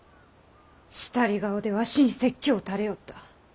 したり顔でわしに説教をたれおった。